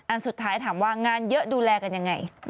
สุดท้ายถามว่างานเยอะดูแลกันยังไง